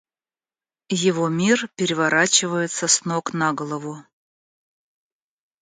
Его мир переворачивается с ног на голову